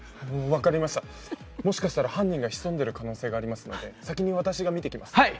分かりました犯人が潜んでる可能性がありますので先に私が見て来ます。